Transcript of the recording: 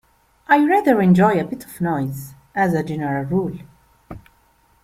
I rather enjoy a bit of noise, as a general rule.